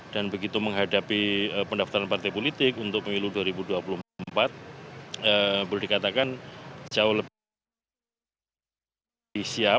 dan begitu menghadapi pendaftaran partai politik untuk pemilu dua ribu dua puluh empat boleh dikatakan jauh lebih